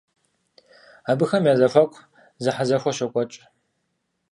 Абыхэм я зэхуаку зэхьэзэхуэ щокӏуэкӏ.